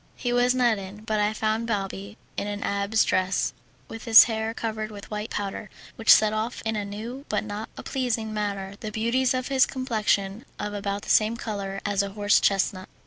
He was not in, but I found Balbi in an abbé's dress, with his hair covered with white powder, which set off in a new but not a pleasing manner the beauties of his complexion of about the same colour as a horse chestnut.